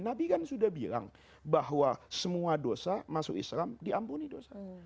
nabi kan sudah bilang bahwa semua dosa masuk islam diampuni dosa